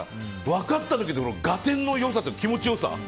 分かった時の合点の良さ気持ちよさ。